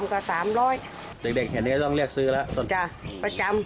ไข่สวรรค์หนมวงจ้า